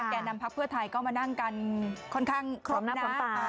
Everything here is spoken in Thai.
แกนำภักดิ์เพื่อไทยก็มานั่งกันค่อนข้างครอบหน้า